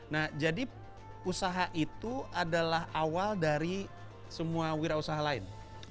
nah jadi usaha itu adalah awal dari semua wira usaha lain